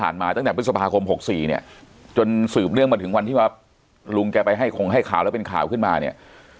แล้วมันสืบเรื่องมาถึงวันที่ว่าลุงแกไปให้คงให้ข่าวแล้วเป็นข่าวขึ้นมาเนี่ย